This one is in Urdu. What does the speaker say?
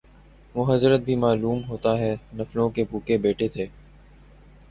وہ حضرت بھی معلوم ہوتا ہے نفلوں کے بھوکے بیٹھے تھے